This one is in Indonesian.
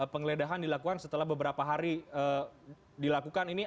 penggeledahan dilakukan setelah beberapa hari dilakukan ini